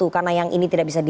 karena yang ini tidak bisa di